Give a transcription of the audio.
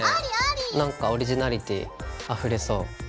なんかオリジナリティーあふれそう。